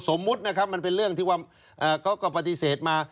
สมมุตินะครับมันเป็นเรื่องที่ว่าเขาก็ปฏิเสธมา